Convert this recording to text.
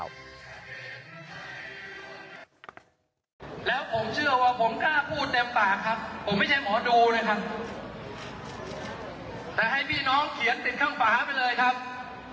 ลงใต้ไปดูบรรยากาศของเพื่อไทยกันหน่อยครับวันนี้คุณอุ้งอิ๊ง